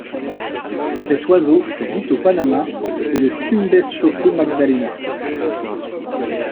Cet oiseau vit au Panama et le Tumbes-Chocó-Magdalena.